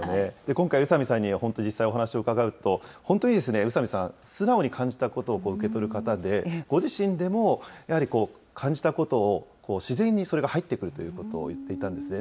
今回、宇佐見さんに本当、実際、お話を伺うと、本当に宇佐見さん、素直に感じたことを受け取る方で、ご自身でもやはり感じたことを、自然にそれが入ってくるということを言っていたんですね。